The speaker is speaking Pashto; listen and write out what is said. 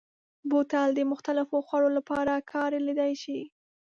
بوتل د مختلفو خوړو لپاره کارېدلی شي.